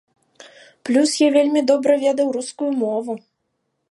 Плюс я вельмі добра ведаў рускую мову.